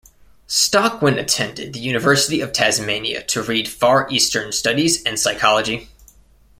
Stockwin attended the University of Tasmania to read Far Eastern studies and psychology.